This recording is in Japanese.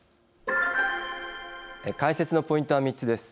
解説のポイントは３つです。